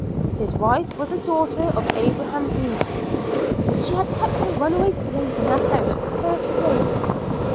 His wife was a daughter of Abraham Greenstreet; she had kept a runaway slave in her house for thirty days.